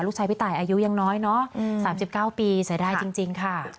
ลูกชายพี่ตายอายุยังน้อยเนอะ๓๙ปีใส่ได้จริงค่ะ